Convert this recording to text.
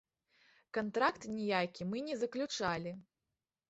Кантракт ніякі мы не заключалі.